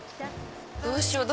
どうしよう？